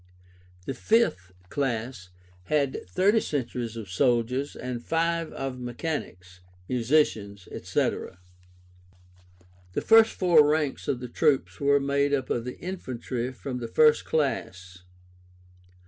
The fifth class had thirty centuries of soldiers, and five of mechanics, musicians, etc. The first four ranks of the troops were made up of the infantry from the first class.